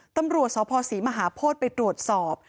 ตำรวจสพศรีมหาโพธิไปตรวจสอบ